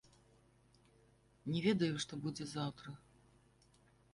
Не ведаю, што будзе заўтра.